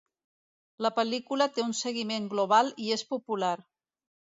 La pel·lícula té un seguiment global i és popular.